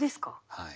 はい。